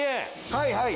はいはい。